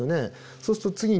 そうすると次に。